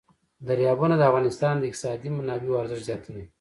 دریابونه د افغانستان د اقتصادي منابعو ارزښت زیاتوي.